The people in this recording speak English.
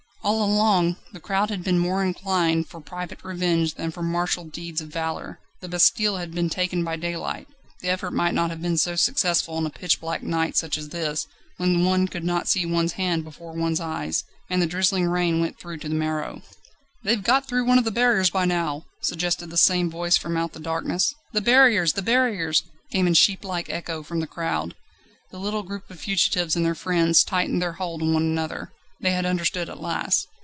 All along, the crowd had been more inclined for private revenge than for martial deeds of valour; the Bastille had been taken by daylight; the effort might not have been so successful on a pitch black night such as this, when one could not see one's hand before one's eyes, and the drizzling rain went through to the marrow. "They've got through one of the barriers by now!" suggested the same voice from out the darkness. "The barriers the barriers!" came in sheeplike echo from the crowd. The little group of fugitives and their friends tightened their hold on one another. They had understood at last.